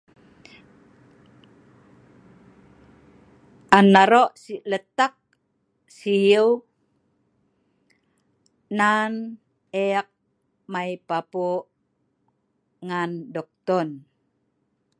An aro' si letak siu' nan ek mai papu' ngan duktun